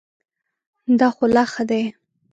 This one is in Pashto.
دا خو لا ښه دی .